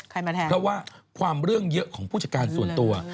มาแทนเพราะว่าความเรื่องเยอะของผู้จัดการส่วนตัว